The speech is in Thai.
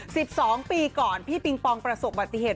สิบสองปีก่อนพี่เปียเชอร์ประสบปฏิเหตุ